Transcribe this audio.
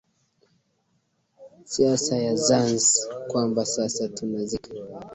siasa ya zanz kwamba sasa tunazika